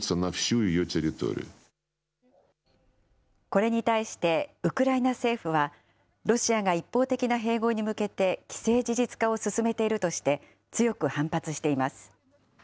これに対してウクライナ政府は、ロシアが一方的な併合に向けて既成事実化を進めているとして、強く反発しています。